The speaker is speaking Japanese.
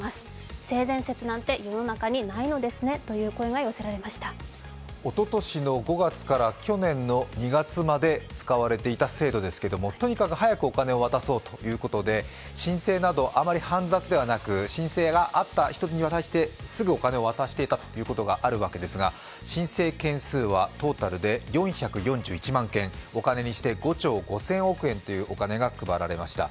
視聴者の皆さんからはおととしの５月から去年の２月まで使われていた制度ですけれども、とにかく早くお金を渡そうということで申請などあまり煩雑ではなく申請があった人に渡してすぐお金を渡していたということがあるわけですが、申請件数はトータルが４４１万件、お金にして５兆５０００億円というお金が配られました。